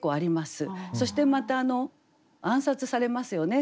そしてまた暗殺されますよね。